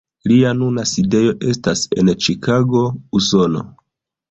Lia nuna sidejo estas en Ĉikago, Usono.